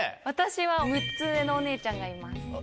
私は６つ上のお姉ちゃんがいます。